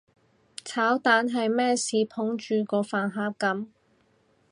炒蛋係咩事捧住個飯盒噉？